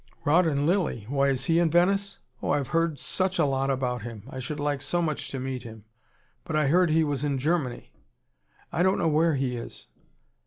"Rawdon Lilly! Why, is he in Venice? Oh, I've heard SUCH a lot about him. I should like so much to meet him. But I heard he was in Germany " "I don't know where he is."